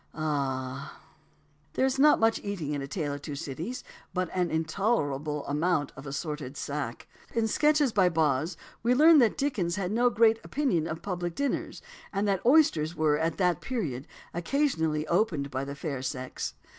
Ah h h! There is not much eating in A Tale of Two Cities; but an intolerable amount of assorted "sack." In Sketches by Boz we learn that Dickens had no great opinion of public dinners, and that oysters were, at that period, occasionally opened by the fair sex.